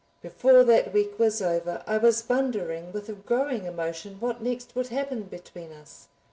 Before that week was over I was wondering with a growing emotion what next would happen between us.